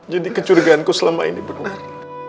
jadi kecurigaanku selama ini benar